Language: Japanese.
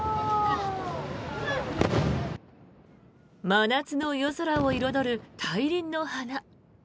真夏の夜空を彩る大輪の花。